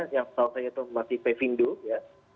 yang salah satunya itu masih pevindo ya